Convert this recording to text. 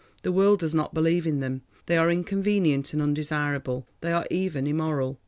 The world does not believe in them; they are inconvenient and undesirable; they are even immoral.